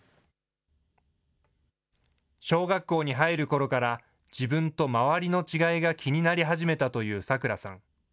小学校に入るころから、自分と周りの違いが気になり始めたという咲来さん。